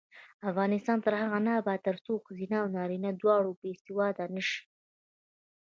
افغانستان تر هغو نه ابادیږي، ترڅو ښځینه او نارینه دواړه باسواده نشي.